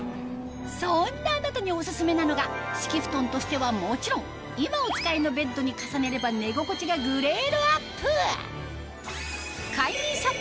そんなあなたにオススメなのが敷布団としてはもちろん今お使いのベッドに重ねれば寝心地がグレードアップ！